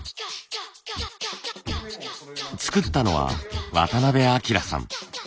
作ったのは渡邊彰さん。